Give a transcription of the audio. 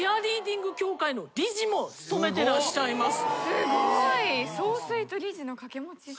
すごい。